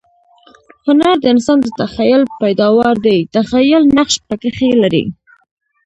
هنر د انسان د تخییل پیداوار دئ. تخییل نقش پکښي لري.